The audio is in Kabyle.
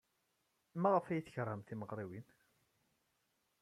Maɣef ay tkeṛhem timeɣriwin?